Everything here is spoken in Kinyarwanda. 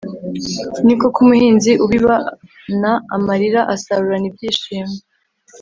ni koko, umuhinzi ubibana amarira asarurana ibyishimo